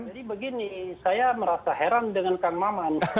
jadi begini saya merasa heran dengan kang maman